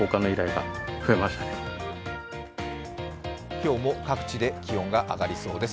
今日も各地で気温が上がりそうです。